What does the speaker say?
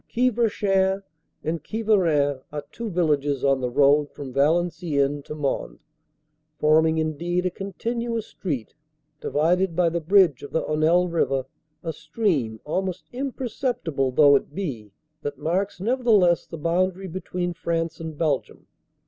Quievrechain and Quievrain are two villages on the road from Valenciennes to Mons, forming indeed a continuous 392 CANADA S HUNDRED DAYS street, divided by the bridge of the Honelle river a stream, almost imperceptible though it be, that marks nevertheless the boundary between France and Belgium.